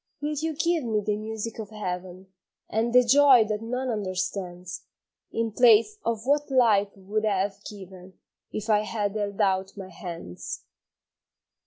Will you give me the music of heaven, And the joy that none understands, In place of what life would have given If I had held out my hands?